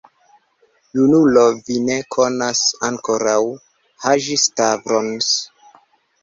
Junulo, vi ne konas ankoraŭ Haĝi-Stavros.